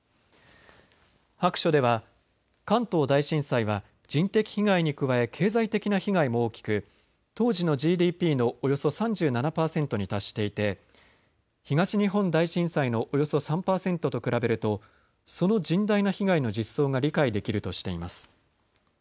白書では関東大震災は人的被害に加え経済的な被害も大きく当時のＧＤＰのおよそ３７％に達していて東日本大震災のおよそ３％と比べるとその甚大な被害の実相が理解できるとしています。